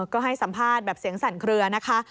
ก็ให้สัมภาษณ์แบบเสียงสั่นเคลือนะคะ